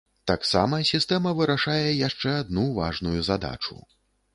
Таксама сістэма вырашае яшчэ адну важную задачу.